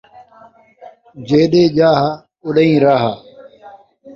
جیݙے چاہ، اُݙاہیں راہ